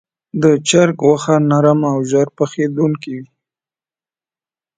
د چرګ غوښه نرم او ژر پخېدونکې وي.